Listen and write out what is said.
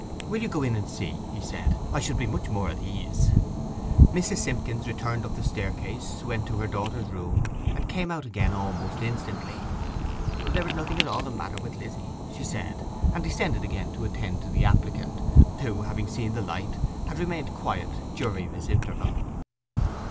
'Will you go in and see?' he said. 'I should be much more at ease.' Mrs. Simpkins returned up the staircase, went to her daughter's room, and came out again almost instantly. 'There is nothing at all the matter with Lizzy,' she said; and descended again to attend to the applicant, who, having seen the light, had remained quiet during this interval.